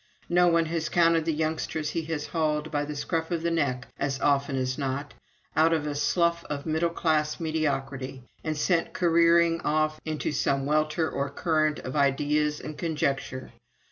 No one has counted the youngsters he has hauled, by the scruff of the neck as often as not, out of a slough of middle class mediocrity, and sent careering off into some welter or current of ideas and conjecture.